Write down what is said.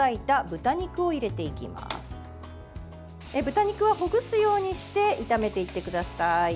豚肉は、ほぐすようにして炒めていってください。